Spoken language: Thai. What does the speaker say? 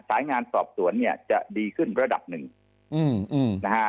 สายงานสอบสวนเนี่ยจะดีขึ้นระดับหนึ่งอืมนะฮะ